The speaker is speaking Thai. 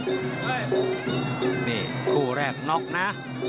นี่คู่แรกน็อกนะ